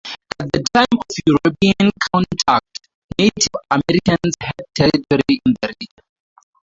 At the time of European contact, Native Americans had territory in the region.